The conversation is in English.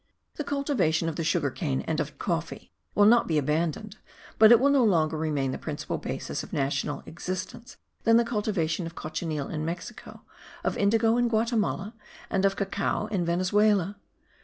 The cultivation of the sugar cane and of coffee will not be abandoned; but it will no longer remain the principal basis of national existence than the cultivation of cochineal in Mexico, of indigo in Guatimala, and of cacao in Venezuela.